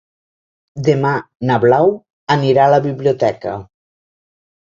Demà na Blau anirà a la biblioteca.